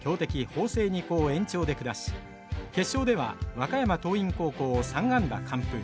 法政二高を延長で下し決勝では和歌山桐蔭高校を３安打完封。